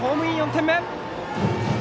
４点目。